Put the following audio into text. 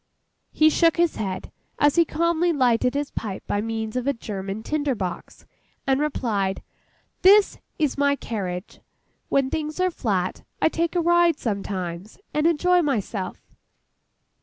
He shook his head, as he calmly lighted his pipe by means of a German tinder box, and replied, 'This is my carriage. When things are flat, I take a ride sometimes, and enjoy myself.